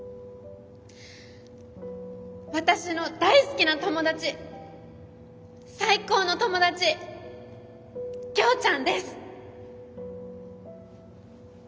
私の大好きな友達最高の友達キョーちゃんです！